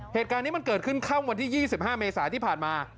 เหตุการณ์นี้มันเกิดขึ้นค่ำวันที่๒๕เมษาที่ผ่านมา